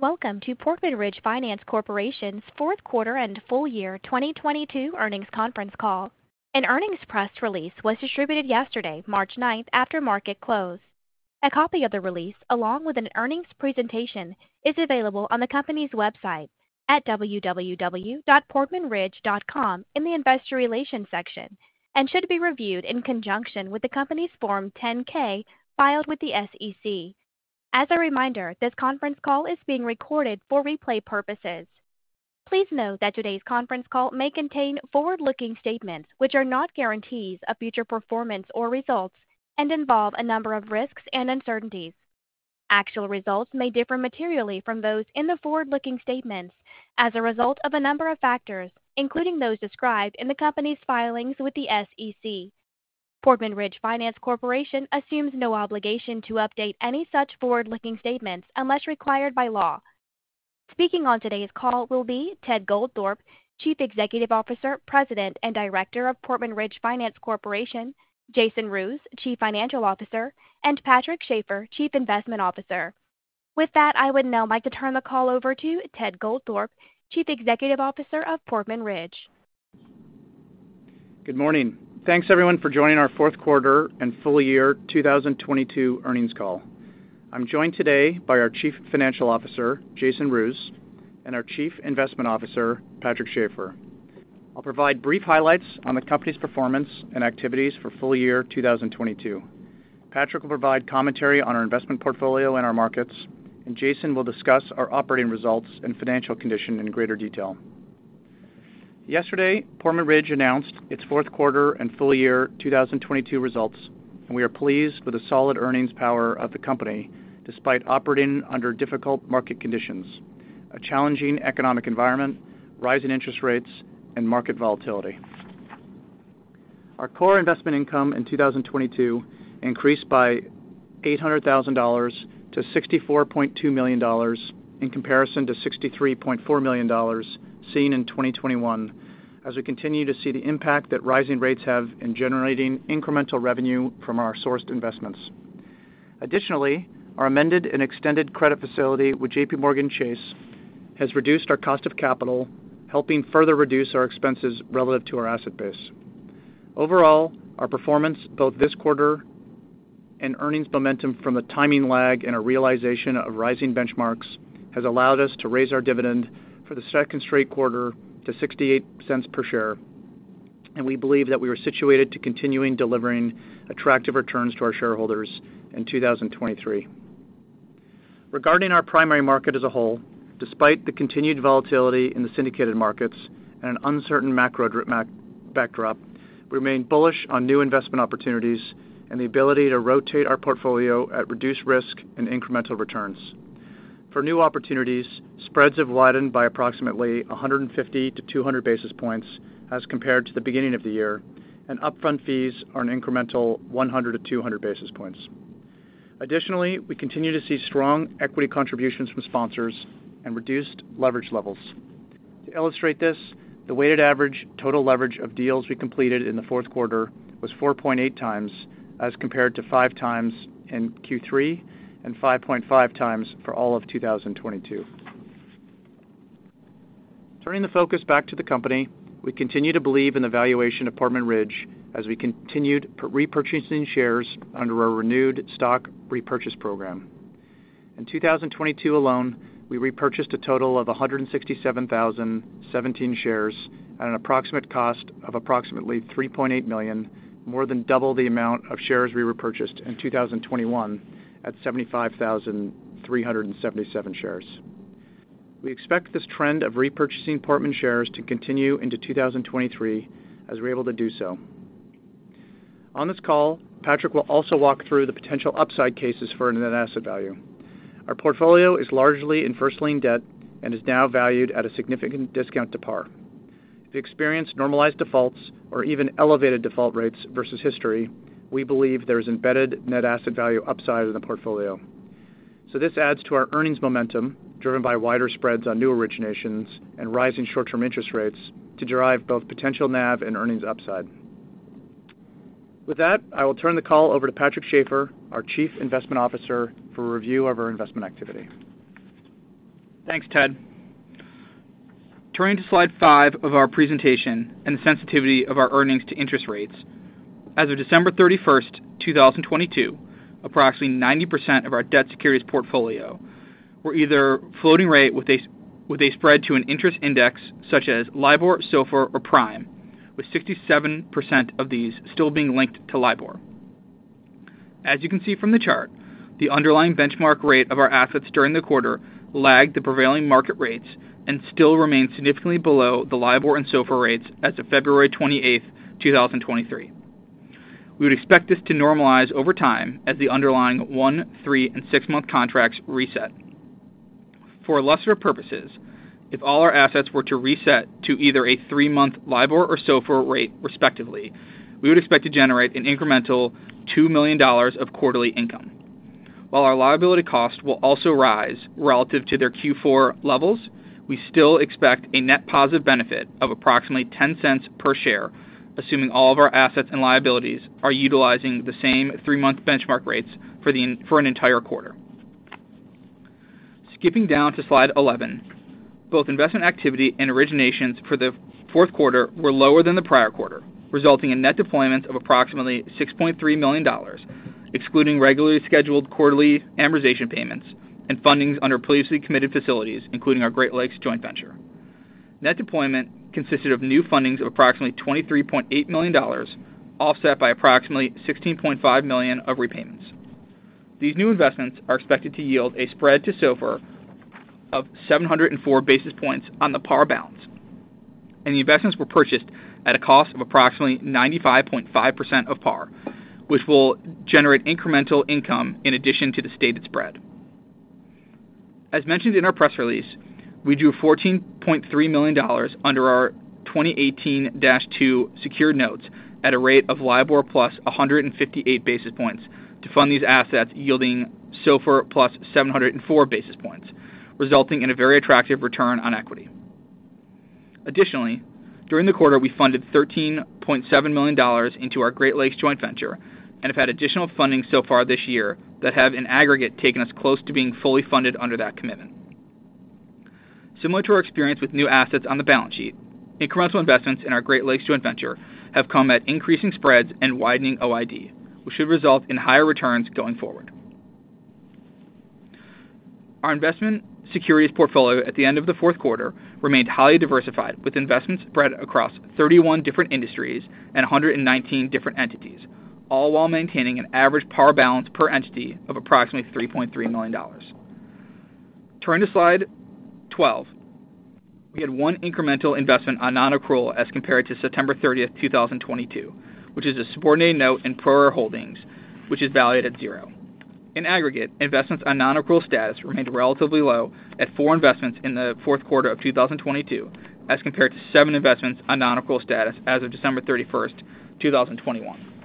Welcome to Portman Ridge Finance Corporation's fourth quarter and full year 2022 earnings conference call. An earnings press release was distributed yesterday, March 9th, after market close. A copy of the release, along with an earnings presentation, is available on the company's website at www.portmanridge.com in the Investor Relations section, and should be reviewed in conjunction with the company's Form 10-K filed with the SEC. As a reminder, this conference call is being recorded for replay purposes. Please note that today's conference call may contain forward-looking statements, which are not guarantees of future performance or results and involve a number of risks and uncertainties. Actual results may differ materially from those in the forward-looking statements as a result of a number of factors, including those described in the company's filings with the SEC. Portman Ridge Finance Corporation assumes no obligation to update any such forward-looking statements unless required by law. Speaking on today's call will be Ted Goldthorpe, Chief Executive Officer, President, and Director of Portman Ridge Finance Corporation, Jason Roos, Chief Financial Officer, and Patrick Schafer, Chief Investment Officer. With that, I would now like to turn the call over to Ted Goldthorpe, Chief Executive Officer of Portman Ridge. Good morning. Thanks, everyone, for joining our fourth quarter and full year 2022 earnings call. I'm joined today by our Chief Financial Officer, Jason Roos, and our Chief Investment Officer, Patrick Schafer. I'll provide brief highlights on the company's performance and activities for full year 2022. Patrick will provide commentary on our investment portfolio and our markets, and Jason will discuss our operating results and financial condition in greater detail. Yesterday, Portman Ridge announced its fourth quarter and full year 2022 results, and we are pleased with the solid earnings power of the company despite operating under difficult market conditions, a challenging economic environment, rising interest rates, and market volatility. Our core investment income in 2022 increased by $800,000 to $64.2 million in comparison to $63.4 million seen in 2021 as we continue to see the impact that rising rates have in generating incremental revenue from our sourced investments. Our amended and extended credit facility with JPMorgan Chase has reduced our cost of capital, helping further reduce our expenses relative to our asset base. Our performance both this quarter and earnings momentum from the timing lag and a realization of rising benchmarks has allowed us to raise our dividend for the second straight quarter to $0.68 per share. We believe that we were situated to continuing delivering attractive returns to our shareholders in 2023. Regarding our primary market as a whole, despite the continued volatility in the syndicated markets and an uncertain macro backdrop, we remain bullish on new investment opportunities and the ability to rotate our portfolio at reduced risk and incremental returns. For new opportunities, spreads have widened by approximately 150-200 basis points as compared to the beginning of the year, and upfront fees are an incremental 100-200 basis points. Additionally, we continue to see strong equity contributions from sponsors and reduced leverage levels. To illustrate this, the weighted average total leverage of deals we completed in the fourth quarter was 4.8x as compared to 5x in Q3 and 5.5x for all of 2022. Turning the focus back to the company, we continue to believe in the valuation of Portman Ridge as we continued repurchasing shares under our renewed stock repurchase program. In 2022 alone, we repurchased a total of 167,017 shares at an approximate cost of approximately $3.8 million, more than double the amount of shares we repurchased in 2021 at 75,377 shares. We expect this trend of repurchasing Portman shares to continue into 2023 as we're able to do so. On this call, Patrick will also walk through the potential upside cases for net asset value. Our portfolio is largely in first lien debt and is now valued at a significant discount to par. If we experience normalized defaults or even elevated default rates versus history, we believe there is embedded net asset value upside in the portfolio. This adds to our earnings momentum, driven by wider spreads on new originations and rising short-term interest rates to derive both potential NAV and earnings upside. With that, I will turn the call over to Patrick Schafer, our Chief Investment Officer, for a review of our investment activity. Thanks, Ted. Turning to slide five of our presentation and the sensitivity of our earnings to interest rates. As of December 31, 2022, approximately 90% of our debt securities portfolio were either floating rate with a spread to an interest index such as LIBOR, SOFR, or Prime, with 67% of these still being linked to LIBOR. As you can see from the chart, the underlying benchmark rate of our assets during the quarter lagged the prevailing market rates and still remain significantly below the LIBOR and SOFR rates as of February 28, 2023. We would expect this to normalize over time as the underlying one-, three-, and six-month contracts reset. For illustrative purposes, if all our assets were to reset to either a three-month LIBOR or SOFR rate respectively, we would expect to generate an incremental $2 million of quarterly income. While our liability cost will also rise relative to their Q4 levels, we still expect a net positive benefit of approximately $0.10 per share, assuming all of our assets and liabilities are utilizing the same three-month benchmark rates for an entire quarter. Skipping down to slide 11. Both investment activity and originations for the fourth quarter were lower than the prior quarter, resulting in net deployment of approximately $6.3 million, excluding regularly scheduled quarterly amortization payments and fundings under previously committed facilities, including our Great Lakes joint venture. Net deployment consisted of new fundings of approximately $23.8 million, offset by approximately $16.5 million of repayments. These new investments are expected to yield a spread to SOFR of 704 basis points on the par balance. The investments were purchased at a cost of approximately 95.5% of par, which will generate incremental income in addition to the stated spread. As mentioned in our press release, we drew $14.3 million under our 2018-2 Secured Notes at a rate of LIBOR plus 158 basis points to fund these assets, yielding SOFR plus 704 basis points, resulting in a very attractive return on equity. During the quarter, we funded $13.7 million into our Great Lakes joint venture and have had additional funding so far this year that have in aggregate taken us close to being fully funded under that commitment. Similar to our experience with new assets on the balance sheet, incremental investments in our Great Lakes joint venture have come at increasing spreads and widening OID, which should result in higher returns going forward. Our investment securities portfolio at the end of the fourth quarter remained highly diversified, with investments spread across 31 different industries and 119 different entities, all while maintaining an average par balance per entity of approximately $3.3 million. Turning to slide 12. We had one incremental investment on non-accrual as compared to September 30, 2022, which is a subordinated note in prior holdings, which is valued at zero. In aggregate, investments on non-accrual status remained relatively low at four investments in the fourth quarter of 2022, as compared to seven investments on non-accrual status as of December 31, 2021.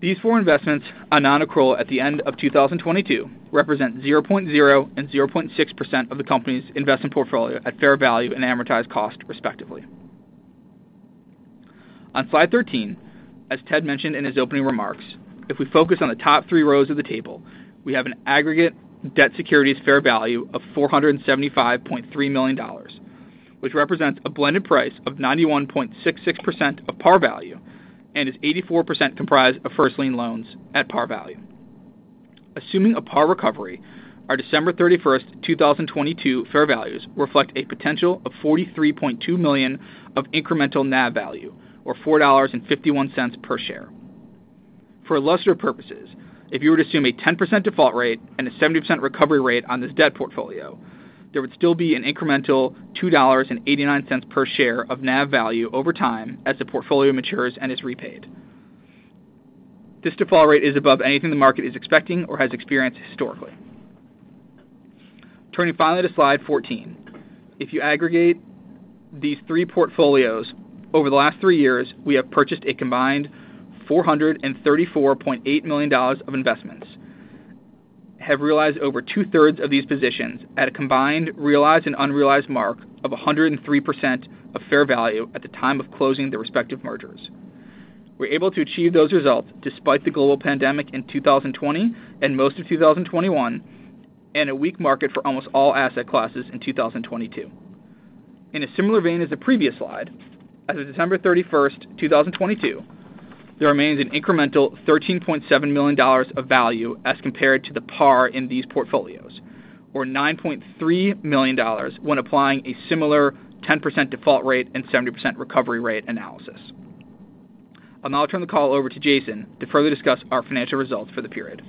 These four investments on non-accrual at the end of 2022 represent 0.0% and 0.6% of the company's investment portfolio at fair value and amortized cost, respectively. On slide 13, as Ted mentioned in his opening remarks, if we focus on the top three rows of the table, we have an aggregate debt securities fair value of $475.3 million, which represents a blended price of 91.66% of par value and is 84% comprised of first lien loans at par value. Assuming a par recovery, our December 31st, 2022 fair values reflect a potential of $43.2 million of incremental NAV value or $4.51 per share. For illustrative purposes, if you were to assume a 10% default rate and a 70% recovery rate on this debt portfolio, there would still be an incremental $2.89 per share of NAV value over time as the portfolio matures and is repaid. This default rate is above anything the market is expecting or has experienced historically. Turning finally to slide 14. If you aggregate these three portfolios over the last threeyears, we have purchased a combined $434.8 million of investments, have realized over 2/3 of these positions at a combined realized and unrealized mark of 103% of fair value at the time of closing the respective mergers. We're able to achieve those results despite the global pandemic in 2020 and most of 2021 and a weak market for almost all asset classes in 2022. In a similar vein as the previous slide, as of December 31, 2022, there remains an incremental $13.7 million of value as compared to the par in these portfolios, or $9.3 million when applying a similar 10% default rate and 70% recovery rate analysis. I'll now turn the call over to Jason to further discuss our financial results for the period.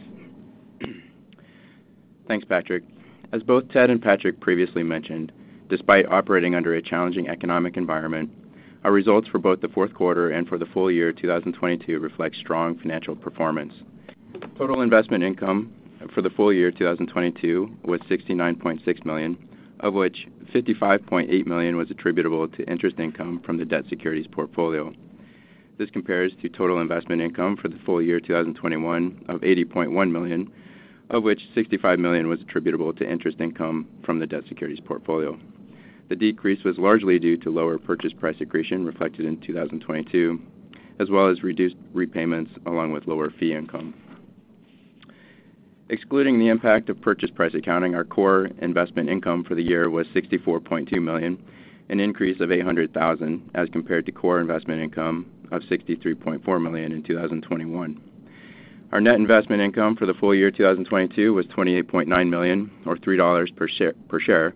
Thanks, Patrick. As both Ted and Patrick previously mentioned, despite operating under a challenging economic environment, our results for both the fourth quarter and for the full year 2022 reflect strong financial performance. Total investment income for the full year 2022 was $69.6 million, of which $55.8 million was attributable to interest income from the debt securities portfolio. This compares to total investment income for the full year 2021 of $80.1 million, of which $65 million was attributable to interest income from the debt securities portfolio. The decrease was largely due to lower purchase price accretion reflected in 2022, as well as reduced repayments along with lower fee income. Excluding the impact of purchase price accounting, our core investment income for the year was $64.2 million, an increase of $800,000 as compared to core investment income of $63.4 million in 2021. Our net investment income for the full year 2022 was $28.9 million or $3 per share,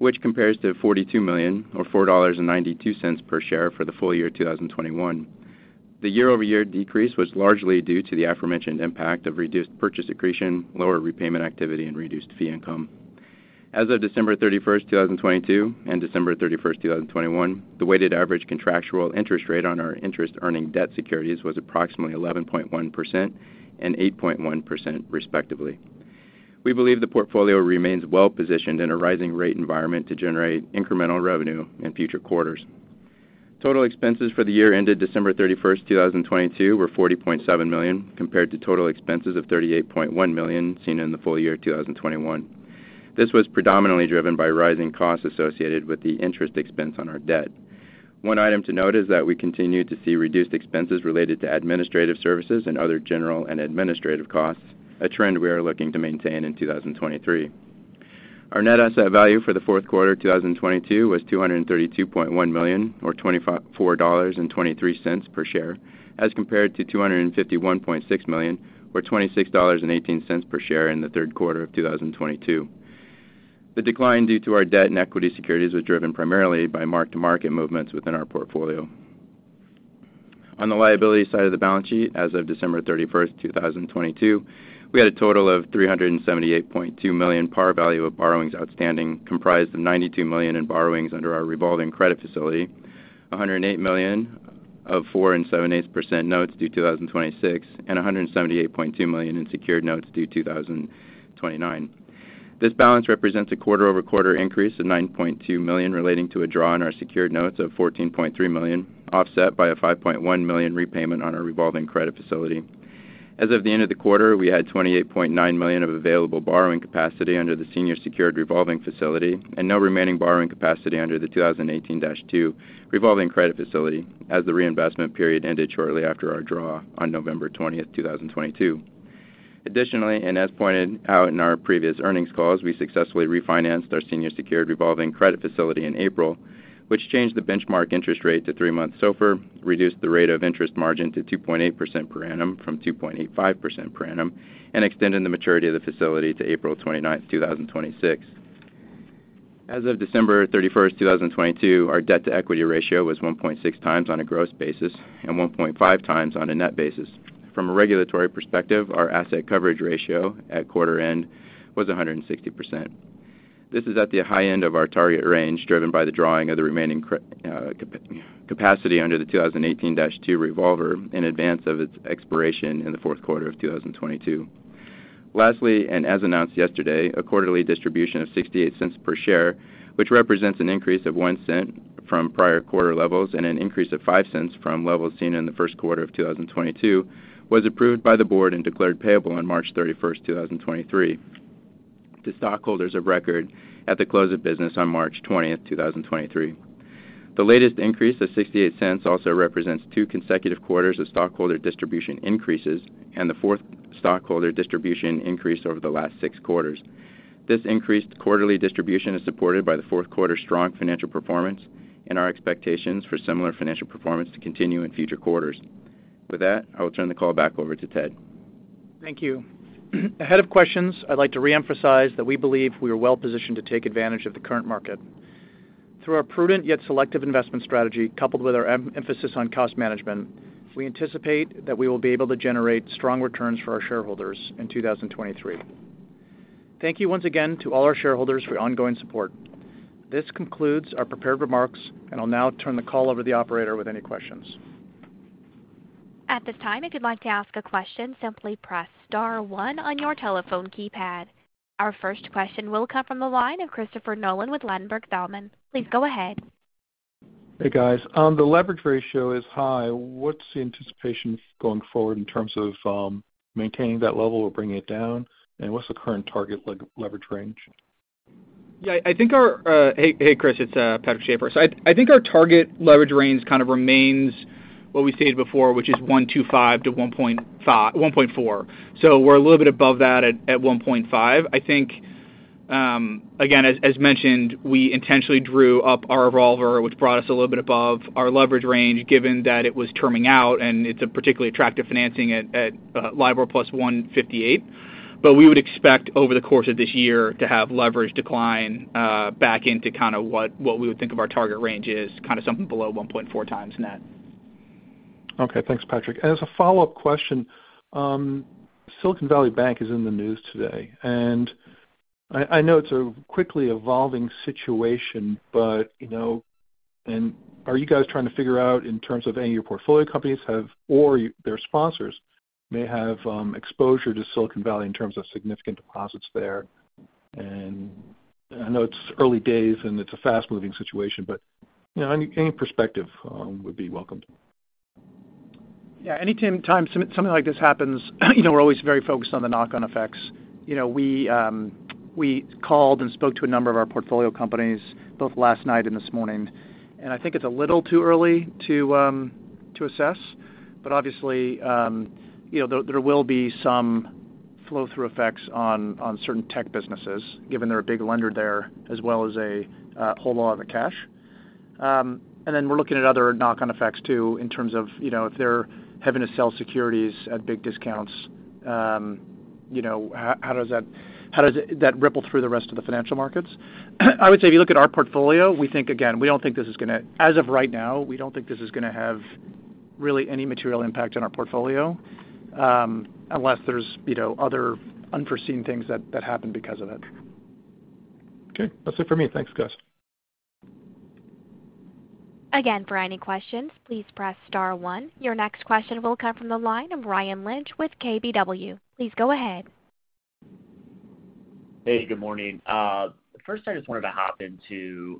which compares to $42 million or $4.92 per share for the full year 2021. The year-over-year decrease was largely due to the aforementioned impact of reduced purchase accretion, lower repayment activity and reduced fee income. As of December 31, 2022 and December 31, 2021, the weighted average contractual interest rate on our interest-earning debt securities was approximately 11.1% and 8.1%, respectively. We believe the portfolio remains well positioned in a rising rate environment to generate incremental revenue in future quarters. Total expenses for the year ended December 31, 2022 were $40.7 million compared to total expenses of $38.1 million seen in the full year 2021. This was predominantly driven by rising costs associated with the interest expense on our debt. One item to note is that we continue to see reduced expenses related to administrative services and other general and administrative costs, a trend we are looking to maintain in 2023. Our net asset value for the fourth quarter 2022 was $232.1 million or $24.23 per share, as compared to $251.6 million or $26.18 per share in the third quarter of 2022. The decline due to our debt and equity securities was driven primarily by mark-to-market movements within our portfolio. On the liability side of the balance sheet, as of December 31, 2022, we had a total of $378.2 million par value of borrowings outstanding, comprised of $92 million in borrowings under our revolving credit facility, $108 million of [4.875]% notes due 2026, and $178.2 million in secured notes due 2029. This balance represents a quarter-over-quarter increase of $9.2 million relating to a draw on our secured notes of $14.3 million, offset by a $5.1 million repayment on our revolving credit facility. As of the end of the quarter, we had $28.9 million of available borrowing capacity under the senior secured revolving facility and no remaining borrowing capacity under the 2018-2 revolving credit facility as the reinvestment period ended shortly after our draw on November 20, 2022. Additionally, as pointed out in our previous earnings calls, we successfully refinanced our senior secured revolving credit facility in April, which changed the benchmark interest rate to three-month SOFR, reduced the rate of interest margin to 2.8% per annum from 2.85% per annum, and extended the maturity of the facility to April 29, 2026. As of December 31, 2022, our debt-to-equity ratio was 1.6x on a gross basis and 1.5x on a net basis. From a regulatory perspective, our asset coverage ratio at quarter end was 160%. This is at the high end of our target range, driven by the drawing of the remaining capacity under the 2018-2 revolver in advance of its expiration in the fourth quarter of 2022. Lastly, as announced yesterday, a quarterly distribution of $0.68 per share, which represents an increase of $0.01 from prior quarter levels and an increase of $0.05 from levels seen in the first quarter of 2022, was approved by the board and declared payable on March 31, 2023 to stockholders of record at the close of business on March 20, 2023. The latest increase of $0.68 also represents two consecutive quarters of stockholder distribution increases and the fourth stockholder distribution increase over the last six quarters. This increased quarterly distribution is supported by the fourth quarter strong financial performance and our expectations for similar financial performance to continue in future quarters. With that, I will turn the call back over to Ted. Thank you. Ahead of questions, I'd like to reemphasize that we believe we are well-positioned to take advantage of the current market. Through our prudent yet selective investment strategy, coupled with our emphasis on cost management, we anticipate that we will be able to generate strong returns for our shareholders in 2023. Thank you once again to all our shareholders for your ongoing support. This concludes our prepared remarks, and I'll now turn the call over to the operator with any questions. At this time, if you'd like to ask a question, simply press star one on your telephone keypad. Our first question will come from the line of Christopher Nolan with Ladenburg Thalmann. Please go ahead. Hey, guys. The leverage ratio is high. What's the anticipation going forward in terms of maintaining that level or bringing it down? What's the current target leverage range? Hey, Chris. It's Patrick Schafer. I think our target leverage range kind of remains what we stated before, which is 1.25-1.4. We're a little bit above that at 1.5. I think, again, as mentioned, we intentionally drew up our revolver, which brought us a little bit above our leverage range given that it was terming out and it's a particularly attractive financing at LIBOR plus 158. We would expect over the course of this year to have leverage decline back into kind of what we would think of our target range is, kind of something below 1.4x net. Okay. Thanks, Patrick. As a follow-up question, Silicon Valley Bank is in the news today. I know it's a quickly evolving situation, but, you know. Are you guys trying to figure out in terms of any of your portfolio companies have or their sponsors may have, exposure to Silicon Valley in terms of significant deposits there? I know it's early days and it's a fast-moving situation, but, you know, any perspective would be welcomed. Yeah. Anytime something like this happens, you know, we're always very focused on the knock-on effects. You know, we called and spoke to a number of our portfolio companies both last night and this morning. I think it's a little too early to assess. Obviously, you know, there will be some flow-through effects on certain tech businesses given they're a big lender there as well as a hold a lot of the cash. We're looking at other knock-on effects too in terms of, you know, if they're having to sell securities at big discounts, you know, how does that ripple through the rest of the financial markets? I would say if you look at our portfolio, we think, again, we don't think this is gonna... As of right now, we don't think this is gonna have really any material impact on our portfolio, unless there's, you know, other unforeseen things that happen because of it. Okay. That's it for me. Thanks, guys. Again, for any questions, please press star one. Your next question will come from the line of Ryan Lynch with KBW. Please go ahead. Hey, good morning. First I just wanted to hop into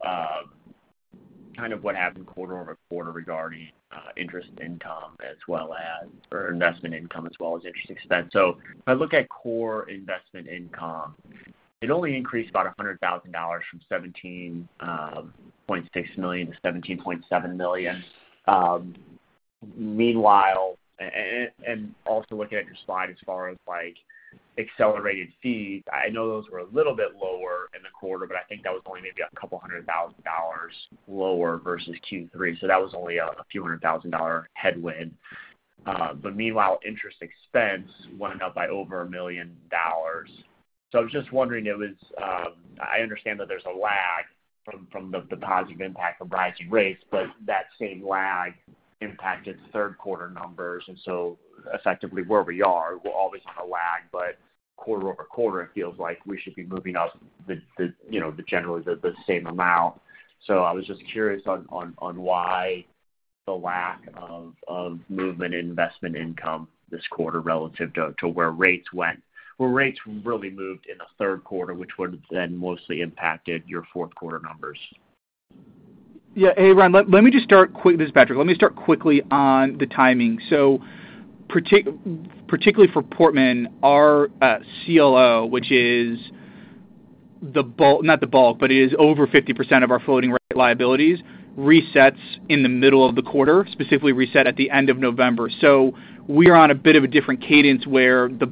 kind of what happened quarter-over-quarter regarding interest income as well as investment income as well as interest expense. If I look at core investment income, it only increased about $100,000 from $17.6 million to $17.7 million. Meanwhile, and also looking at your slide as far as, like, accelerated fees, I know those were a little bit lower in the quarter, but I think that was only maybe a couple of hundred thousand dollars lower versus Q3. That was only a few hundred thousand dollar headwind. Meanwhile, interest expense went up by over $1 million. I was just wondering if it's... I understand that there's a lag from the positive impact of rising rates. That same lag impacted third quarter numbers, effectively, where we are, we're always on a lag. Quarter-over-quarter, it feels like we should be moving up the, you know, the generally the same amount. I was just curious on why the lack of movement in investment income this quarter relative to where rates went, where rates really moved in the third quarter, which would have then mostly impacted your fourth quarter numbers? Yeah. Hey, Ryan. Let me just start quick. This is Patrick. Let me start quickly on the timing. Particularly for Portman, our CLO, which is not the bulk, but is over 50% of our floating rate liabilities, resets in the middle of the quarter, specifically reset at the end of November. We are on a bit of a different cadence where the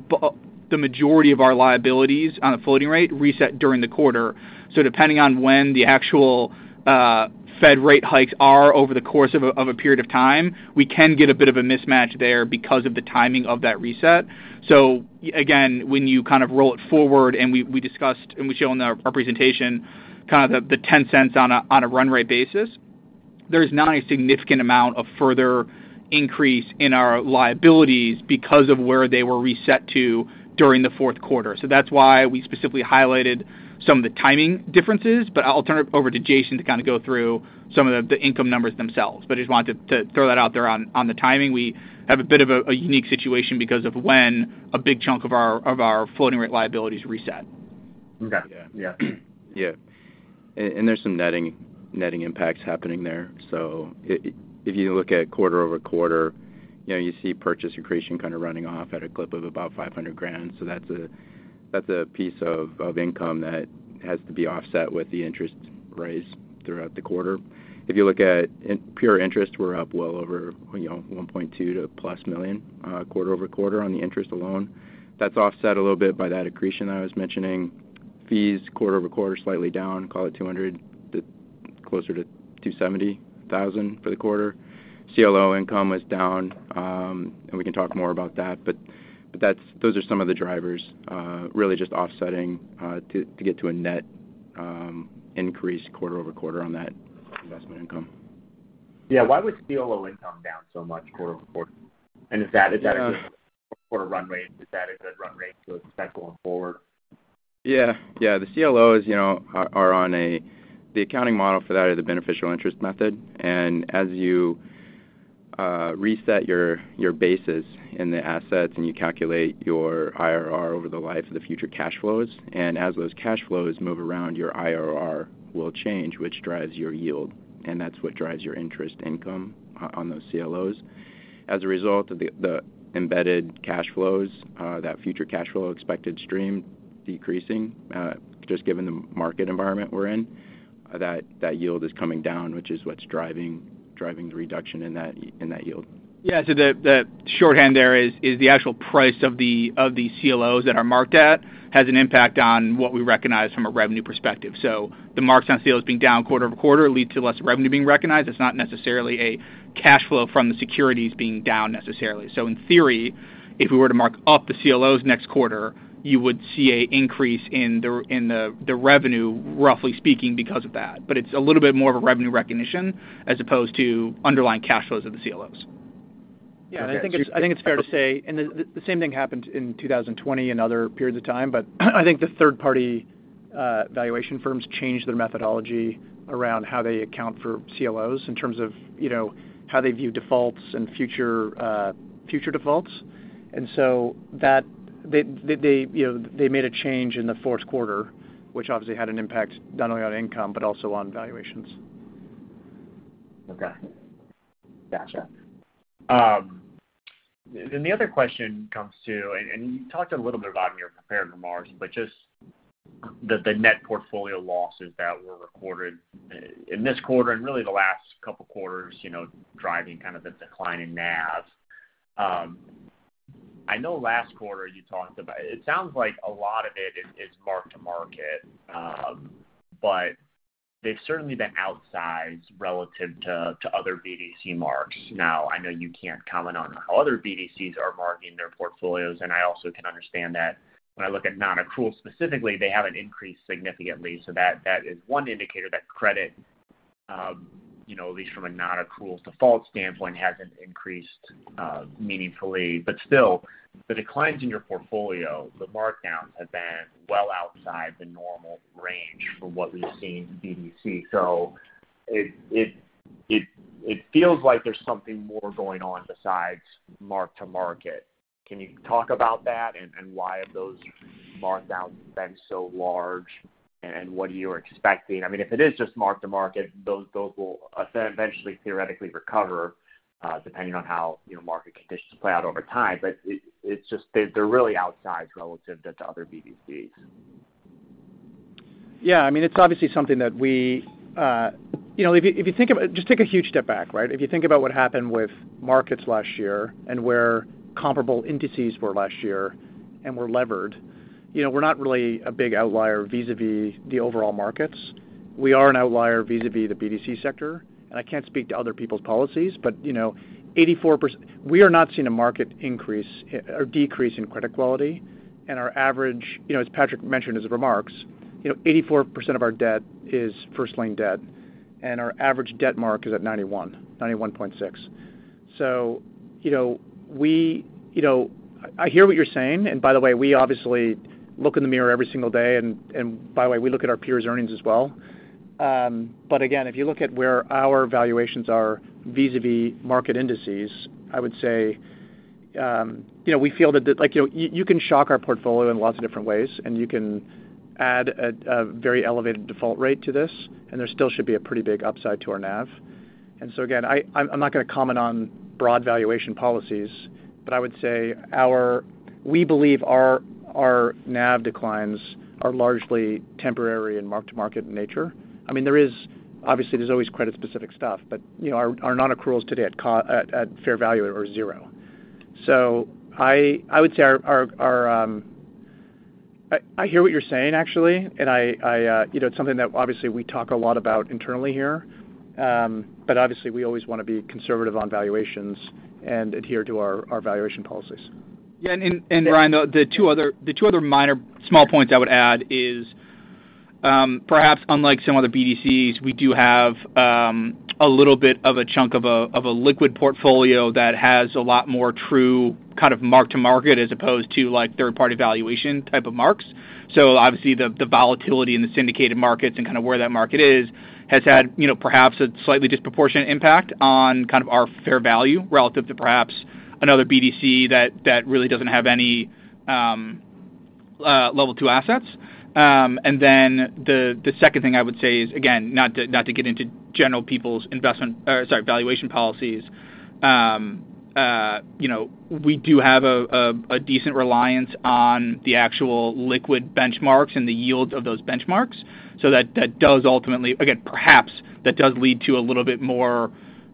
majority of our liabilities on a floating rate reset during the quarter. Depending on when the actual Fed rate hikes are over the course of a period of time, we can get a bit of a mismatch there because of the timing of that reset. Again, when you kind of roll it forward and we discussed, and we show in our presentation kind of the $0.10 on a run rate basis, there's not a significant amount of further increase in our liabilities because of where they were reset to during the fourth quarter. That's why we specifically highlighted some of the timing differences. I'll turn it over to Jason to kind of go through some of the income numbers themselves. I just wanted to throw that out there on the timing. We have a bit of a unique situation because of when a big chunk of our floating rate liabilities reset. Okay. Yeah. Yeah. There's some netting impacts happening there. If you look at quarter-over-quarter, you know, you see purchase accretion kind of running off at a clip of about $500,000. That's a piece of income that has to be offset with the interest raised throughout the quarter. If you look at pure interest, we're up well over, you know, $1.2+ million quarter-over-quarter on the interest alone. That's offset a little bit by that accretion I was mentioning. Fees quarter-over-quarter, slightly down, call it $200,000 to closer to $270,000 for the quarter. CLO income was down. We can talk more about that. Those are some of the drivers, really just offsetting, to get to a net, increase quarter-over-quarter on that investment income. Yeah. Why was CLO income down so much quarter-over-quarter? Is that a good quarter run rate? Is that a good run rate to expect going forward? Yeah. Yeah. The CLOs, you know, are on a the accounting model for that is a beneficial interest method. As you reset your basis in the assets and you calculate your IRR over the life of the future cash flows, as those cash flows move around, your IRR will change, which drives your yield. That's what drives your interest income on those CLOs. As a result of the embedded cash flows, that future cash flow expected stream decreasing, just given the market environment we're in, that yield is coming down, which is what's driving the reduction in that yield. Yeah. The shorthand there is the actual price of the CLOs that are marked at has an impact on what we recognize from a revenue perspective. The marks on CLOs being down quarter-over-quarter lead to less revenue being recognized. It's not necessarily a cash flow from the securities being down necessarily. In theory, if we were to mark up the CLOs next quarter, you would see a increase in the revenue, roughly speaking, because of that. It's a little bit more of a revenue recognition as opposed to underlying cash flows of the CLOs. Yeah, I think it's, I think it's fair to say, and the same thing happened in 2020 and other periods of time, but I think the third party, valuation firms changed their methodology around how they account for CLOs in terms of, you know, how they view defaults and future defaults. And so they, you know, they made a change in the fourth quarter, which obviously had an impact not only on income but also on valuations. Okay. Gotcha. The other question comes to, you talked a little bit about them in your prepared remarks, just the net portfolio losses that were recorded in this quarter and really the last couple quarters, you know, driving kind of the decline in NAV. I know last quarter you talked about. It sounds like a lot of it is mark-to-market, but they've certainly been outsized relative to other BDC marks. I know you can't comment on how other BDCs are marking their portfolios. I also can understand that when I look at non-accrual specifically, they haven't increased significantly. That is one indicator that credit, you know, at least from a non-accrual default standpoint, hasn't increased meaningfully. Still, the declines in your portfolio, the markdowns have been well outside the normal range for what we've seen in BDC. It feels like there's something more going on besides mark-to-market. Can you talk about that and why have those markdowns been so large, and what you're expecting? I mean, if it is just mark-to-market, those will eventually theoretically recover, depending on how, you know, market conditions play out over time. It's just they're really outside relative to other BDCs. I mean, it's obviously something that we, you know, if you think about just take a huge step back, right? If you think about what happened with markets last year and where comparable indices were last year and were levered, you know, we're not really a big outlier vis-à-vis the overall markets. We are an outlier vis-à-vis the BDC sector. I can't speak to other people's policies but, you know, 84%— we are not seeing a market increase or decrease in credit quality. Our average, you know, as Patrick mentioned his remarks, you know, 84% of our debt is first lien debt, and our average debt mark is at 91, 91.6. You know, we, you know. I hear what you're saying. By the way, we obviously look in the mirror every single day. By the way, we look at our peers' earnings as well. Again, if you look at where our valuations are vis-à-vis market indices, I would say, you know, we feel that the— Like, you know, you can shock our portfolio in lots of different ways. You can add a very elevated default rate to this. There still should be a pretty big upside to our NAV. Again, I'm not gonna comment on broad valuation policies. I would say we believe our NAV declines are largely temporary and mark-to-market in nature. I mean, obviously, there's always credit-specific stuff. You know, our non-accruals today at fair value are zero. I would say our, I hear what you're saying, actually, and I, you know, it's something that obviously we talk a lot about internally here. Obviously, we always wanna be conservative on valuations and adhere to our valuation policies. Yeah. Ryan, the two other minor small points I would add is, perhaps unlike some other BDCs, we do have a little bit of a chunk of a liquid portfolio that has a lot more true kind of mark-to-market as opposed to, like, third-party valuation type of marks. Obviously, the volatility in the syndicated markets and kind of where that market is has had, you know, perhaps a slightly disproportionate impact on kind of our fair value relative to perhaps another BDC that really doesn't have any level two assets. Then the second thing I would say is, again, not to get into general people's investment, sorry, valuation policies, you know, we do have a decent reliance on the actual liquid benchmarks and the yields of those benchmarks. again, perhaps that does lead to a little bit more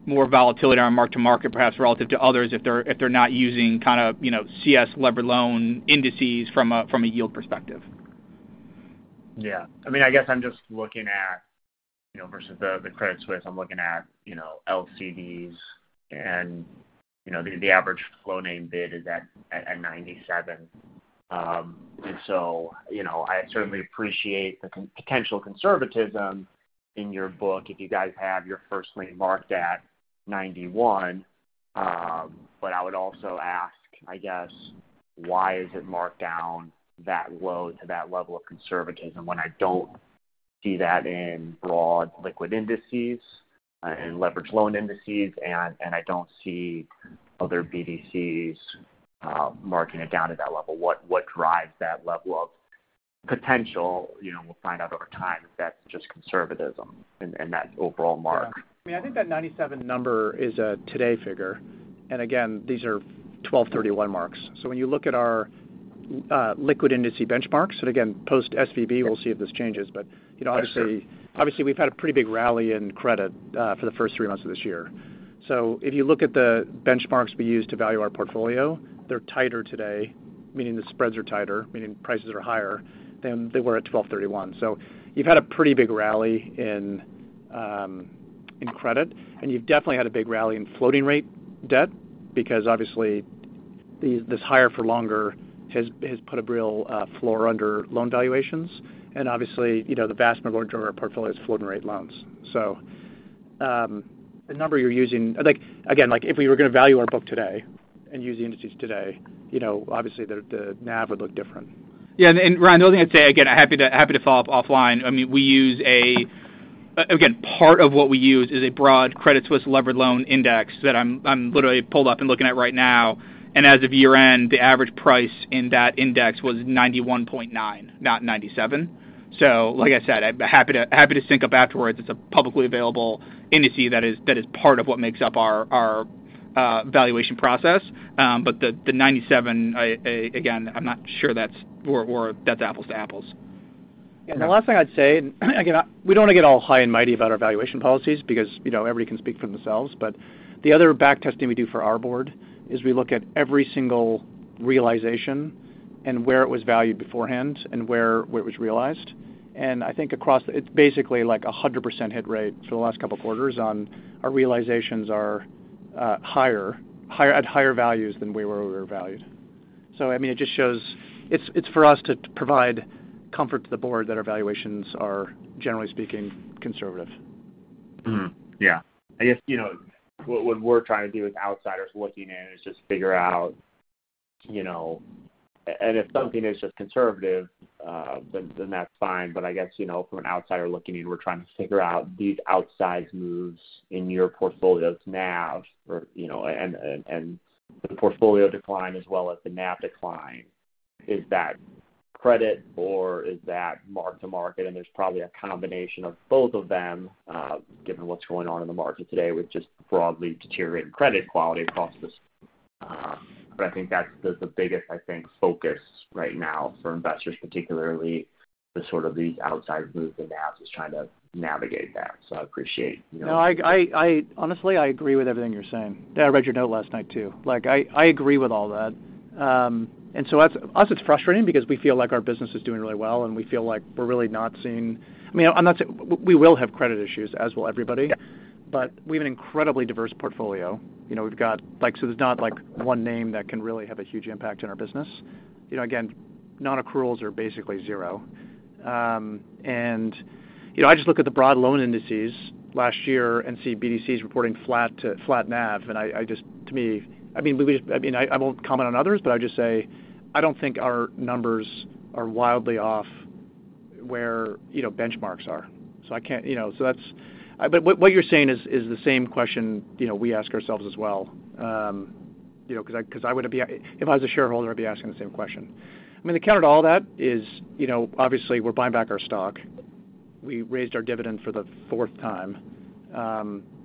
volatility on mark-to-market perhaps relative to others if they're not using kind of, you know, CS Leveraged Loan Indices from a yield perspective. Yeah. I mean, I guess I'm just looking at, you know, versus the Credit Suisse, I'm looking at, you know, LCDs, you know, the average flow name bid is at 97. You know, I certainly appreciate the potential conservatism in your book if you guys have your first lien marked at 91. I would also ask, I guess, why is it marked down that low to that level of conservatism when I don't see that in broad liquid indices, in leveraged loan indices, and I don't see other BDCs marking it down at that level? What drives that level of potential? You know, we'll find out over time if that's just conservatism in that overall mark. Yeah. I mean, I think that 97 number is a today figure. Again, these are 12/31 marks. When you look at our liquid industry benchmarks, and again, post SVB, we'll see if this changes. You know, obviously, we've had a pretty big rally in credit for the first three months of this year. If you look at the benchmarks we use to value our portfolio, they're tighter today, meaning the spreads are tighter, meaning prices are higher than they were at 12/31. You've had a pretty big rally in credit, and you've definitely had a big rally in floating rate debt because obviously this higher for longer has put a real floor under loan valuations. Obviously, you know, the vast majority of our portfolio is floating rate loans. The number you're using... Like, again, like, if we were gonna value our book today and use the indices today, you know, obviously the NAV would look different. Yeah. Ryan, the only thing I'd say, again, happy to follow up offline. I mean, we use a again, part of what we use is a broad Credit Suisse Leveraged Loan Index that I'm literally pulled up and looking at right now. As of year-end, the average price in that index was 91.9, not 97. Like I said, I'd be happy to sync up afterwards. It's a publicly available industry that is part of what makes up our valuation process. The 97, again, I'm not sure that's or that's apples to apples. The last thing I'd say, again, we don't want to get all high and mighty about our valuation policies because, you know, everybody can speak for themselves. The other back testing we do for our Board is we look at every single realization and where it was valued beforehand and where it was realized. I think across. It's basically like a 100% hit rate for the last couple of quarters on our realizations are at higher values than we were valued. I mean, it just shows. It's for us to provide comfort to the Board that our valuations are, generally speaking, conservative. Yeah. I guess, you know, what we're trying to do as outsiders looking in is just figure out. You know, if something is just conservative, then that's fine. I guess, you know, from an outsider looking in, we're trying to figure out these outsized moves in your portfolio's NAV or, you know, and the portfolio decline as well as the NAV decline. Is that credit or is that mark-to-market? There's probably a combination of both of them, given what's going on in the market today with just broadly deteriorating credit quality across this. I think that's the biggest focus right now for investors, particularly the sort of the outsized move to NAV, just trying to navigate that. I appreciate, you know. No, I honestly, I agree with everything you're saying. Yeah, I read your note last night too. Like, I agree with all that. As it's frustrating because we feel like our business is doing really well, and we feel like we're really not seeing— I mean, I'm not saying— We will have credit issues, as will everybody. We have an incredibly diverse portfolio. You know, we've got— Like, so there's not, like, one name that can really have a huge impact on our business. You know, again, non-accruals are basically zero. You know, I just look at the broad loan indices last year and see BDCs reporting flat to flat NAV. I, just to me, I mean, I won't comment on others, but I would just say I don't think our numbers are wildly off where, you know, benchmarks are. I can't— You know, that's— What you're saying is the same question, you know, we ask ourselves as well. You know, 'cause I would be— If I was a shareholder, I'd be asking the same question. I mean, the counter to all that is, you know, obviously we're buying back our stock. We raised our dividend for the fourth time.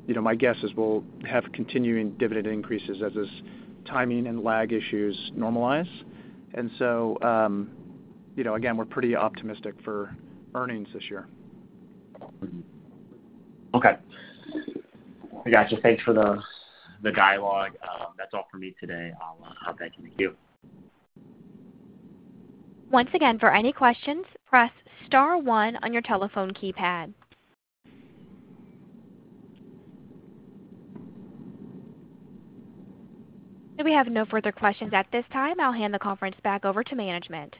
You know, my guess is we'll have continuing dividend increases as this timing and lag issues normalize. You know, again, we're pretty optimistic for earnings this year. Okay. I got you. Thanks for the dialogue. That's all for me today. I'll hop back in the queue. Once again, for any questions, press star one on your telephone keypad. We have no further questions at this time. I'll hand the conference back over to management.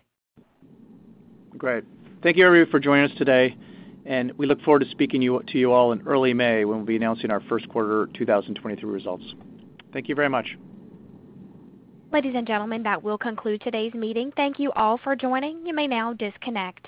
Great. Thank you, everyone, for joining us today, and we look forward to speaking to you all in early May when we'll be announcing our first quarter 2023 results. Thank you very much. Ladies and gentlemen, that will conclude today's meeting. Thank you all for joining. You may now disconnect.